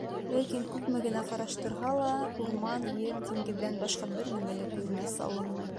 Ләкин күпме генә ҡараштырһа ла, урман, ер, диңгеҙҙән башҡа бер нәмә лә күҙенә салынмай.